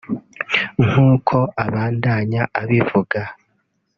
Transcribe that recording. nk’uko abandanya abivuga